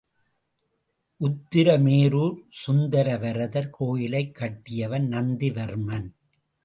உத்திரமேரூர் சுந்தரவரதர் கோயிலைக் கட்டியவன் நந்தி வர்மன்.